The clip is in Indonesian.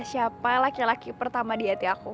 siapa laki laki pertama di hati aku